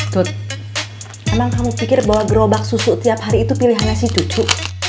tuh emang kamu pikir bahwa gerobak susu tiap hari itu pilihannya si cucu